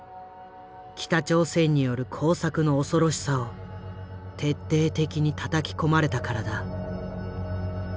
北朝鮮による工作の恐ろしさを徹底的にたたき込まれたからだ。